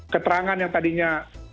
keterangan yang tadinya